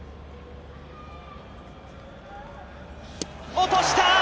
落とした！